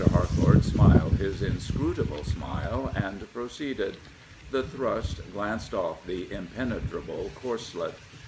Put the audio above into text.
Harcourt smiled his inscrutable smile and pro ceeded. The thrust glanced off the impenetrable corslet.